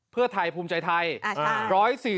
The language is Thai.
เพื่อไทยภูมิใจไทย